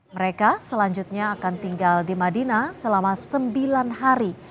mereka selanjutnya akan tinggal di madinah selama sembilan hari